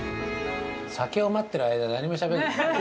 ◆酒を待ってる間何もしゃべらない。